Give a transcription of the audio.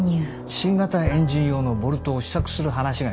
新型エンジン用のボルトを試作する話が来ています。